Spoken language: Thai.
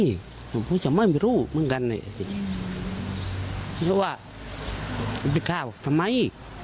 มันก็จะไม่มีลูกเหมือนกันเนี้ยเพราะว่าจะไปฆ่าว่าทำไม